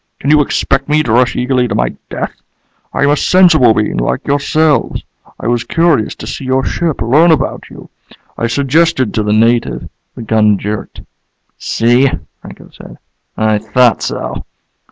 Can you expect me to rush eagerly to my death? I am a sensible being like yourselves. I was curious to see your ship, learn about you. I suggested to the native " The gun jerked. "See," Franco said. "I thought so."